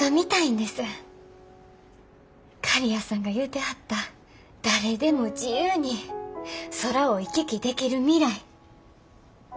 刈谷さんが言うてはった誰でも自由に空を行き来できる未来。